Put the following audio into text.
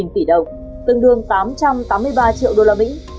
một tỷ đồng tương đương tám trăm tám mươi ba triệu đô la mỹ